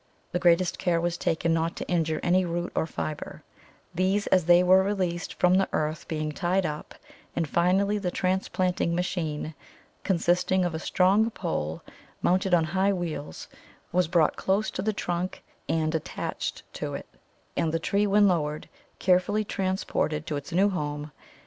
The greatest care was taken not to injure any root or fibre, these as they were released from the earth being tied up, and finally the transplanting machine, consisting of a strong pole mounted on high wheels, was brought close to the trunk and attached to it, and the tree when lowered, carefully transported to its new home.